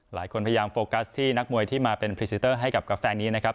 พยายามโฟกัสที่นักมวยที่มาเป็นพรีเซนเตอร์ให้กับกาแฟนี้นะครับ